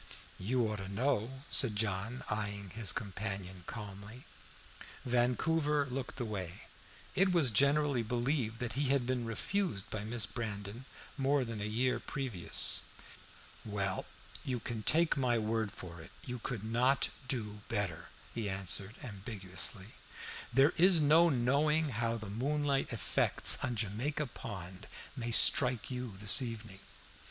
"You ought to know," said John, eyeing his companion calmly. Vancouver looked away; it was generally believed that he had been refused by Miss Brandon more than a year previous. "Well, you can take my word for it, you could not do better," he answered, ambiguously. "There is no knowing how the moonlight effects on Jamaica Pond may strike you this evening.